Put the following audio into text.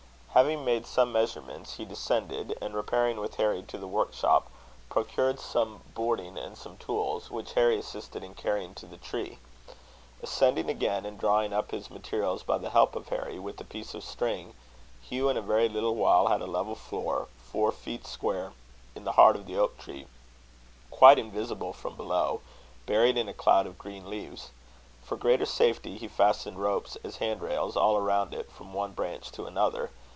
Having made some measurements, he descended; and repairing with Harry to the work shop, procured some boarding and some tools, which Harry assisted in carrying to the tree. Ascending again, and drawing up his materials, by the help of Harry, with a piece of string, Hugh in a very little while had a level floor, four feet square, in the heart of the oak tree, quite invisible from below buried in a cloud of green leaves. For greater safety, he fastened ropes as handrails all around it from one branch to another.